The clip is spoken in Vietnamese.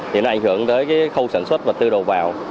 thì nó ảnh hưởng tới cái khâu sản xuất vật tư đầu vào